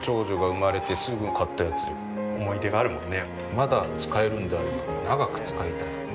まだ使えるんであれば長く使いたい。